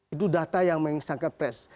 itu data yang mengesankan press